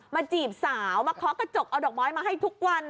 จีบสาวมาเคาะกระจกเอาดอกไม้มาให้ทุกวัน